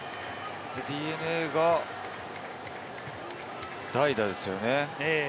ＤｅＮＡが代打ですよね。